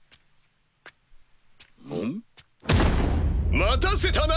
待たせたな！